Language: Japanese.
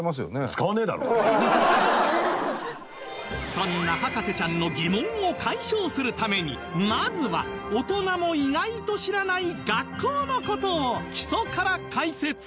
そんな博士ちゃんの疑問を解消するためにまずは大人も意外と知らない学校の事を基礎から解説